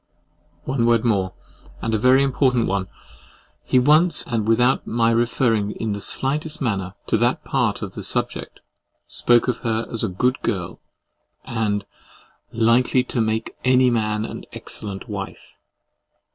— One word more, and a very important one. He once, and without my referring in the slightest manner to that part of the subject, spoke of her as a GOOD GIRL, and LIKELY TO MAKE ANY MAN AN EXCELLENT WIFE!